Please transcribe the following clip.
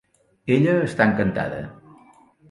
Ella està encantada.